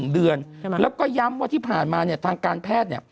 ๑เดือนแล้วก็ยังย้ำว่าที่ผ่านมาทางการแพทย์